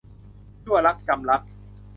ยั่วรัก - จำลักษณ์